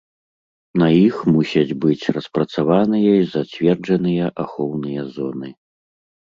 На іх мусяць быць распрацаваныя і зацверджаныя ахоўныя зоны.